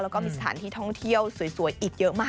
แล้วก็มีสถานที่ท่องเที่ยวสวยอีกเยอะมาก